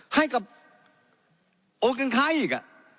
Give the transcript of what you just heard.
ให้กับโอกินค้าอีก